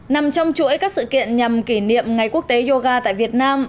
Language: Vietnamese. nằm trong chuỗi các sự kiện nhằm kỷ niệm ngày quốc tế yoga tại việt nam